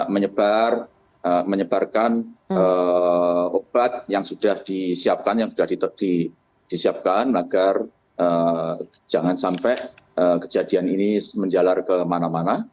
menyebarkan obat yang sudah disiapkan yang sudah disiapkan agar jangan sampai kejadian ini menjalar kemana mana